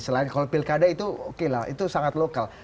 selain kalau pilkada itu oke lah itu sangat lokal